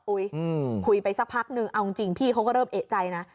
คุยไปสักพักนึงเอาจริงพี่เขาก็เริ่มเอกใจนะ